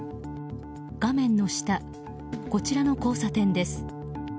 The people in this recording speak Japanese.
画面の下、こちらの交差点です。